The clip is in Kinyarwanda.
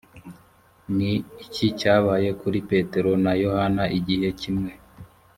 ni iki cyabaye kuri petero na yohana igihe kimwe?